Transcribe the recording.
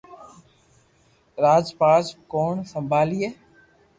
راج پاٺ ڪوڻ سمڀالئي